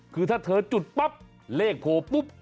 คือถ้าเธอจุดปั๊บเลขโผล่ปุ๊บ